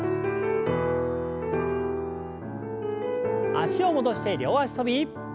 脚を戻して両脚跳び。